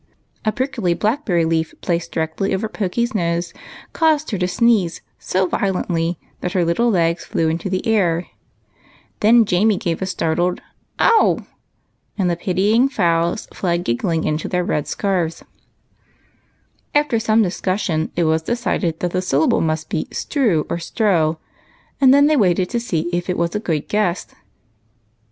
A prickly blackberry leaf placed directly over Pokey's nose caused her to sneeze so violently that her little legs flew into the air ; Jamie gave a startled " Ow !" and the pitying fowls fled giggling. After some discussion it was decided that the syl lable must be " strew or strow," and then they waited to see if it was a good guess.